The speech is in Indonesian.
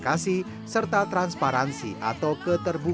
tapi sebisa saya handle sendiri